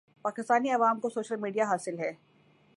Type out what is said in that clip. پاکستانی عوام کو social media حاصل ہے